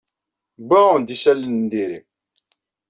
Wwiɣ-awen-d isalan n diri.